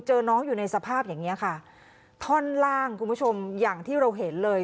เจอน้องอยู่ในสภาพอย่างเงี้ยค่ะท่อนล่างคุณผู้ชมอย่างที่เราเห็นเลย